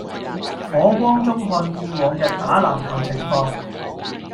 火光中看見往日打籃球情況